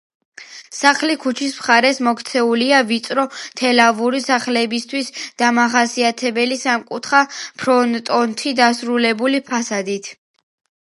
სახლი ქუჩის მხარეს მოქცეულია ვიწრო, თელავური სახლებისთვის დამახასიათებელი, სამკუთხა ფრონტონით დასრულებული ფასადით.